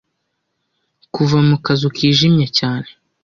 kuva mu kazu kijimye cyane